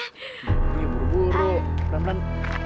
iya buru buru pelan pelan